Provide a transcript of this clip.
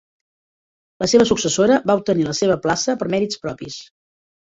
La seva successora va obtenir la seva plaça per mèrits propis.